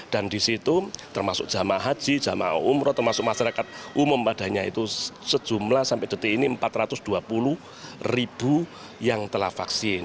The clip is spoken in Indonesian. dan di situ termasuk jemaah haji jemaah umrah termasuk masyarakat umum padanya itu sejumlah sampai detik ini empat ratus dua puluh ribu yang telah vaksin